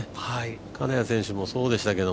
金谷選手もそうでしたけど。